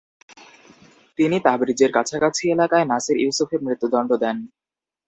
তিনি তাবরিজের কাছাকাছি এলাকায় নাসির ইউসুফকে মৃত্যুদন্ড দেন।